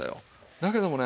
だけどもね